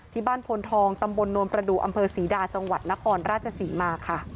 พลทองตำบลนวลประดูกอำเภอศรีดาจังหวัดนครราชศรีมาค่ะ